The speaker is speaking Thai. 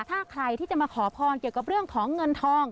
ถ้าใครที่จะมาขอพรเกี่ยวกับเรื่องของเงินทอง